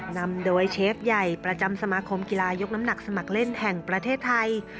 นำโดยเชฟใหญ่ประจำสมาคมกีฬายกน้ำหนักสมัครเล่นแห่งประเทศไทย